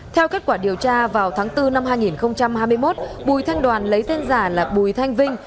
theo kết quả điều tra vào tháng bốn năm hai nghìn hai mươi một bùi thanh đoàn lấy tên giả là bùi thanh vinh